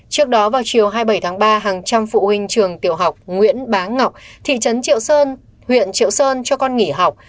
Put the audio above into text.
trước đó vào chiều hai mươi bảy tháng ba hàng trăm phụ huynh trường tiểu học nguyễn bá ngọc thị trấn triệu sơn huyện triệu sơn cho con nghỉ học